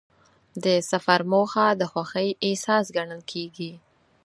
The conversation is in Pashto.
د سفر موخه د خوښۍ احساس ګڼل کېږي.